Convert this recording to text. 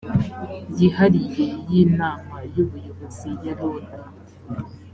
yihariye y inama y ubuyobozi ya loda